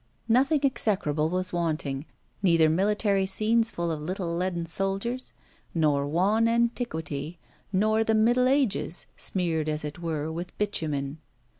Nothing execrable was wanting, neither military scenes full of little leaden soldiers, nor wan antiquity, nor the middle ages, smeared, as it were, with bitumen.